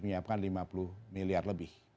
menyiapkan lima puluh miliar lebih